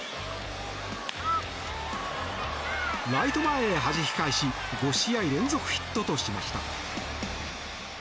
ライト前へはじき返し５試合連続ヒットとしました。